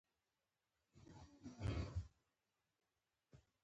کرکټ د روغتیا له پاره هم ګټور دئ.